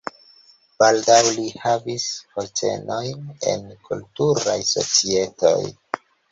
Baldaŭ li havis postenojn en kulturaj societoj.